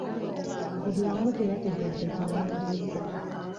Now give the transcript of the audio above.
Buli omu teyategedde kiwandiiko.